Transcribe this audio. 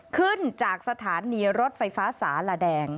ขึ้นจากสถานีรถไฟฟ้าสาลาแดง